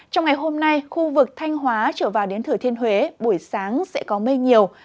trong ngày hôm nay khu vực thanh hóa trở vào đến thừa thiên huế buổi sáng sẽ có mây nhiều